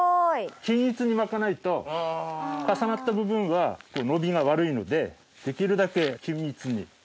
均一にまかないと重なった部分は伸びが悪いのでできるだけ均一に。